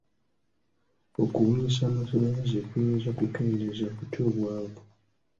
Okubunyisa amasannyalaze kuyinza kukendeeza kutya obwavu?